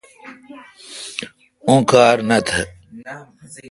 اوں کار نہ تھ۔